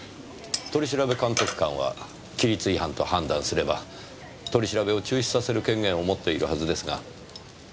取調監督官は規律違反と判断すれば取り調べを中止させる権限を持っているはずですが。